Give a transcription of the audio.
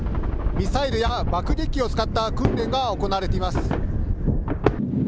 ミサイルや爆撃機を使った訓練が行われています。